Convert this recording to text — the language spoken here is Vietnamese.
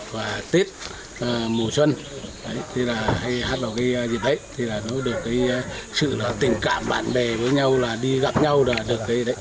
và tết mùa xuân hay hát vào cái dịp đấy thì nó được cái sự tình cảm bạn bè với nhau là đi gặp nhau là được cái đấy